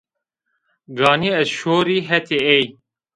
Ganî ez şorî hetê ey